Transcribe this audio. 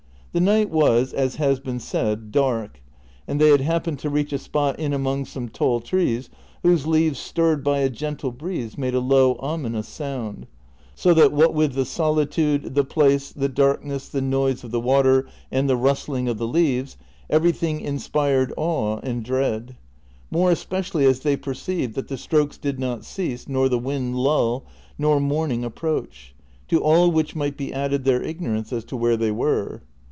The night was, as has been said, dark, and they had happened to reach a spot in among some tall trees, whose leaves stirred by a gentle breeze made a low ominous sound ; so that, what with the solitude, the place, the darkness, the noise of the water, and the rustling of the leaves, everything inspired awe and dread ; more especially as they perceived that the strokes did not cease, nor the wind lull, nor morning approach ; to all which might be added their ignorance as to where they were.